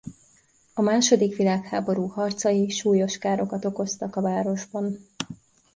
A második világháború harcai súlyos károkat okoztak a városban.